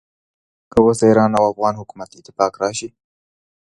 که اوس د ایران او افغان حکومت اتفاق راشي.